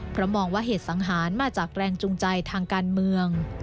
เพราะมองว่าเหตุสังหารมาจากแรงจูงใจทางการเมือง